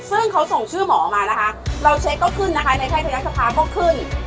ซึ่งเขาส่งชื่อหมอมานะคะเราเช็คก็ขึ้นนะคะในแพทยศภาก็ขึ้น